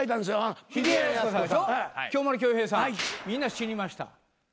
みんな死にました。